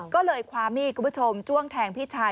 ก็เลยคว้ามีดคุณผู้ชมจ้วงแทงพี่ชาย